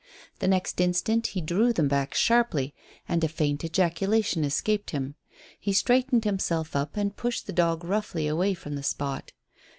The next instant he drew them back sharply, and a faint ejaculation escaped him. He straightened himself up and pushed the dog roughly away from the spot.